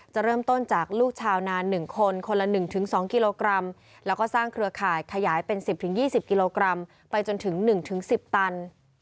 จะเริ่มต้นจากลูกชาวนาน๑คนคนละ๑๒กิโลกรัมแล้วก็สร้างเครือข่ายขยายเป็น๑๐๒๐กิโลกรัมไปจนถึง๑๑๐ตัน